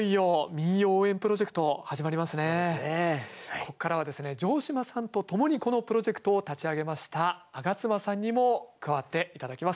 ここからはですね城島さんとともにこのプロジェクトを立ち上げました上妻さんにも加わって頂きます。